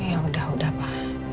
ya udah udah pa